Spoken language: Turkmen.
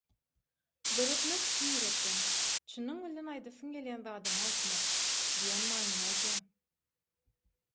Döretmek çyn ýürekden, çynyň bilen aýdasyň gelýän zadyňy aýtmak» diýen manyny aýdýar.